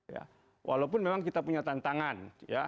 ya walaupun memang kita punya tantangan ya